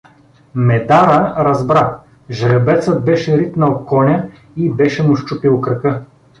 Медара разбра: жребецът беше ритнал коня и беше му счупил крака.